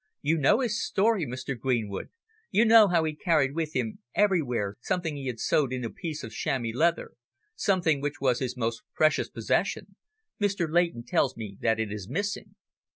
"You know his story, Mr. Greenwood; you know how he carried with him everywhere something he had sewed in a piece of chamois leather; something which was his most precious possession. Mr. Leighton tells me that it is missing."